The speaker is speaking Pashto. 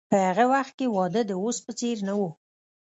په هغه وخت کې واده د اوس په څیر نه و.